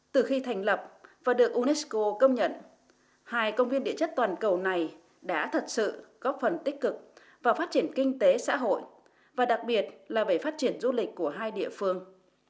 từ khi thành lập và được unesco công nhận hai công viên địa chất toàn cầu này đã thật sự góp phần tích cực vào phát triển kinh tế xã hội và đặc biệt là về phát triển du lịch của hai địa phương